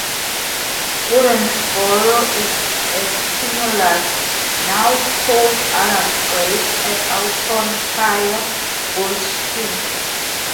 Woden's Barrow is a tumulus, now called Adam's Grave, at Alton Prior, Wiltshire.